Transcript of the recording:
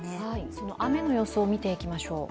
その雨の予想を見ていきましょう。